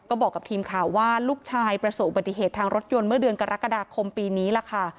ก็บอกกับทีมข่าวว่าลูกชายประสบอุบัติเหตุทางรถยนต์เมื่อเดือนกรกฎาคมปีนี้ล่ะค่ะ